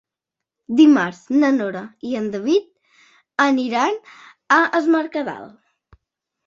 Dimarts na Nora i en David aniran a Es Mercadal.